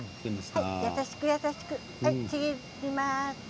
優しく優しくちぎります。